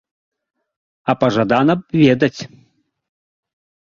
А пажадана б ведаць.